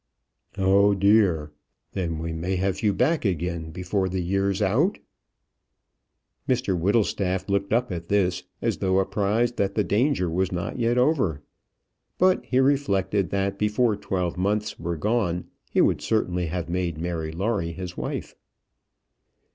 "Oh, dear! Then we may have you back again before the year's out?" Mr Whittlestaff looked up at this, as though apprised that the danger was not yet over. But he reflected that before twelve months were gone he would certainly have made Mary Lawrie his wife.